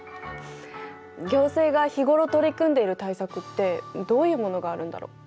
行政が日頃取り組んでいる対策ってどういうものがあるんだろう。